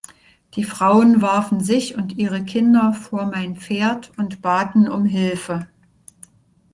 Die Frauen warfen sich und ihre Kinder vor mein Pferd und baten um Hilfe.